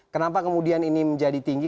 kenapa kemudian ini menjadi tinggi